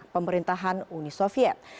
pemerintahan uni soviet